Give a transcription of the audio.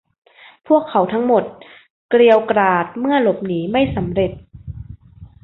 พวกเขาทั้งหมดเกรียวกราดเมื่อหลบหนีไม่สำเร็จ